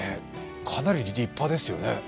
かなり立派ですよね。